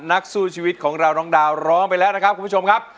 นักสู้ชีวิตของเราน้องดาวร้องไปแล้วนะครับคุณผู้ชมครับ